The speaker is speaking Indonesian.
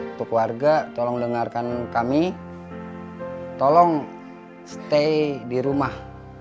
untuk warga tolong dengarkan kami tolong stay di rumah